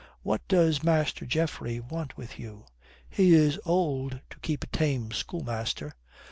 What does Master Geoffrey want with you? He is old to keep a tame schoolmaster."